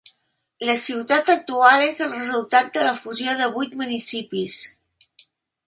La ciutat actual és el resultat de la fusió de vuit municipis.